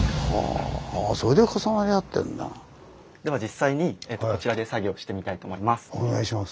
では実際にこちらで作業してみたいと思います。